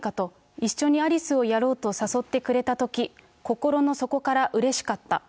一緒にアリスをやろうと誘ってくれたとき、心の底からうれしかった。